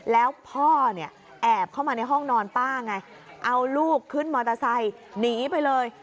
แล้วพ่อเนี่ยแอบเข้ามาในห้องนอนป้าไงเอาลูกขึ้นมอเตอร์ไซค์หนีไปเลย